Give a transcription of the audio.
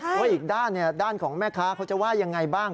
เพราะอีกด้านด้านของแม่ค้าเขาจะว่ายังไงบ้าง